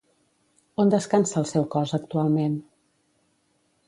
On descansa el seu cos actualment?